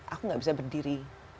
aku nggak bisa berdiri